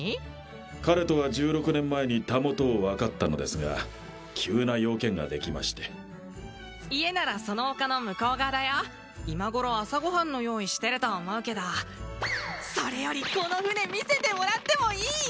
彼とは１６年前に袂を分かったのですが急な用件ができまして家ならその丘の向こう側だよ今頃朝ご飯の用意してると思うけどそれよりこの舟見せてもらってもいい？